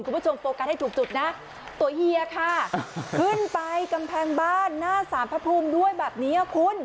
โฟกัสให้ถูกจุดนะตัวเฮียค่ะขึ้นไปกำแพงบ้านหน้าสารพระภูมิด้วยแบบนี้คุณ